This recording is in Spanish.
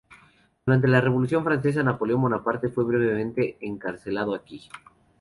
Durante la Revolución Francesa, Napoleón Bonaparte fue brevemente encarcelado aquí.